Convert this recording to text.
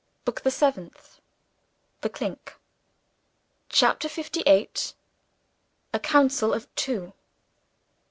BOOK THE SEVENTH THE CLINK. CHAPTER LVIII. A COUNCIL OF TWO.